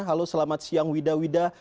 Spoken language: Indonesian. halo selamat siang wida